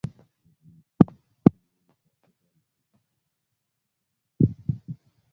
viatamin A ni muhimu kwa watoto wajawazito na wanaonyonyesha